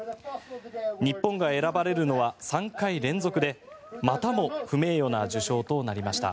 日本が選ばれるのは３回連続でまたも不名誉な受賞となりました。